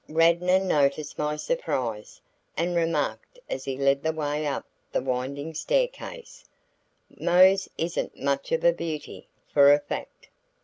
Radnor noticed my surprise, and remarked as he led the way up the winding staircase, "Mose isn't much of a beauty, for a fact."